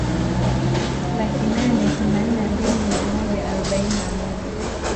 laki nane themanini na mbili mia moja arobaini na moja